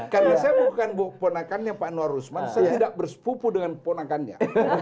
karena saya bukan ponakannya pak anwar usman saya tidak bersepupu dengan ponakannya